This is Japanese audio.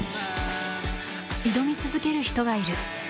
挑み続ける人がいる。